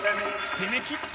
攻めきった！